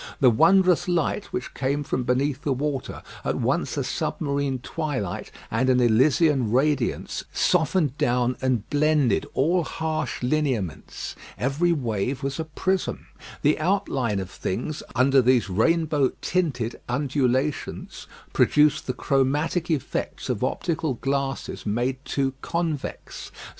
The wondrous light which came from beneath the water, at once a submarine twilight and an Elysian radiance, softened down and blended all harsh lineaments. Every wave was a prism. The outlines of things under these rainbow tinted undulations produced the chromatic effects of optical glasses made too convex.